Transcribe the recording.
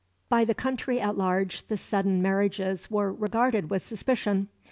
] By the country at large the sudden marriages were regarded with suspicion.